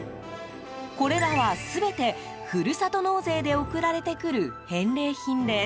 これらは全て、ふるさと納税で送られてくる返礼品です。